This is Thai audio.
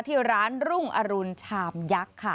ที่ร้านรุ่งอรุณชามยักษ์ค่ะ